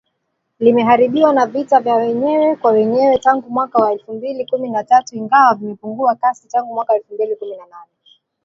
Limeharibiwa na vita vya wenyewe kwa wenyewe, tangu mwaka wa elfu mbili kumi na tatu ingawa vimepungua kasi tangu mwaka elfu mbili kumi nane